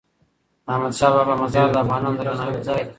د احمدشاه بابا مزار د افغانانو د درناوي ځای دی.